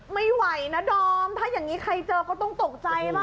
ไม่ไหวนะดอมถ้าอย่างนี้ใครเจอก็ต้องตกใจป่ะ